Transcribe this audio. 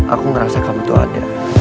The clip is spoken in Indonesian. aku ngerasa kamu itu ada